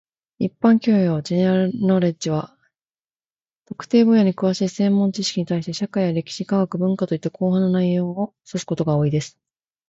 一般教養 （general knowledge） は、特定分野に詳しい専門知識に対して、社会や歴史、科学、文化といった広範な内容を指すことが多いです。